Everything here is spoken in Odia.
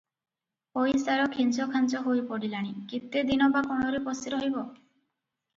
ପଇସାର ଖେଞ୍ଚଖାଞ୍ଚ ହୋଇ ପଡିଲାଣି, କେତେଦିନ ବା କୋଣରେ ପଶି ରହିବ?